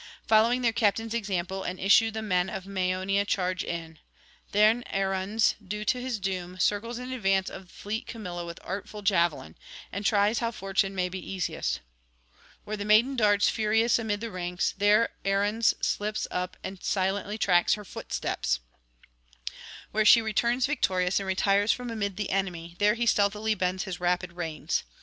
Following their captain's example and issue the men of Maeonia charge in. Then Arruns, due to his [760 796]doom, circles in advance of fleet Camilla with artful javelin, and tries how fortune may be easiest. Where the maiden darts furious amid the ranks, there Arruns slips up and silently tracks her footsteps; where she returns victorious and retires from amid the enemy, there he stealthily bends his rapid reins.